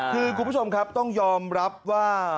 คือคุณผู้ชมครับต้องยอมรับว่า